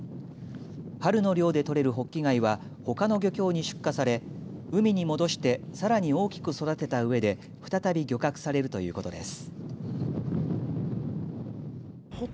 春の漁で取れるホッキ貝はほかの漁協に出荷され海に戻してさらに大きく育てたうえで再び漁獲されるということです。